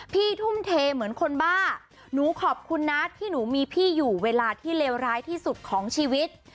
ทุ่มเทเหมือนคนบ้าหนูขอบคุณนะที่หนูมีพี่อยู่เวลาที่เลวร้ายที่สุดของชีวิต